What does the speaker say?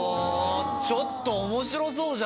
ちょっと面白そうじゃない？